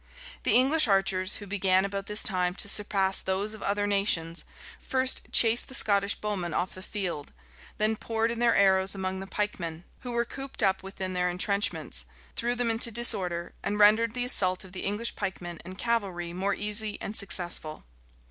The English archers, who began about this time to surpass those of other nations, first chased the Scottish bowmen off the field; then pouring in their arrows among the pikemen, who were cooped up within their intrenchments, threw them into disorder, and rendered the assault of the English pikemen and cavalry more easy and successful.